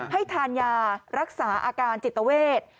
ให้ทานยารักษาอาการจิตเวท